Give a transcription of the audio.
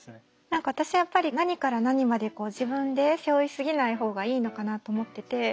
何か私はやっぱり何から何まで自分で背負いすぎない方がいいのかなと思ってて。